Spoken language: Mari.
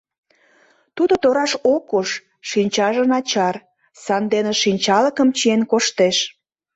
Тудо тораш ок уж — шинчаже начар, сандене шинчалыкым чиен коштеш.